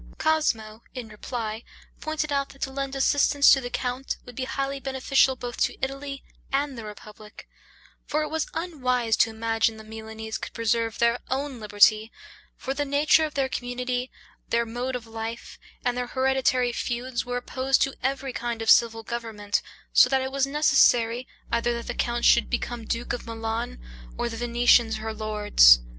Cosmo, in reply, pointed out, that to lend assistance to the count would be highly beneficial both to Italy and the republic; for it was unwise to imagine the Milanese could preserve their own liberty; for the nature of their community, their mode of life, and their hereditary feuds were opposed to every kind of civil government, so that it was necessary, either that the count should become duke of Milan, or the Venetians her lords.